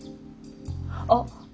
あっ。